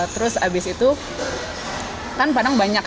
terus habis itu kan padang banyak